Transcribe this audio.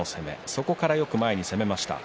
そこからよく前に攻めました。